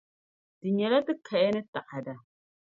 Di nyɛla ti kaya ni taada.